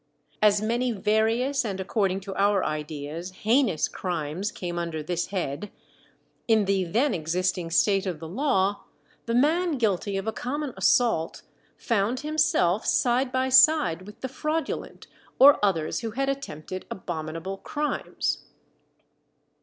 As many various and, according to our ideas, heinous crimes came under this head, in the then existing state of the law, the man guilty of a common assault found himself side by side with the fraudulent, or others who had attempted abominable crimes.